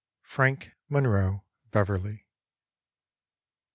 —Frank Monroe Beverly.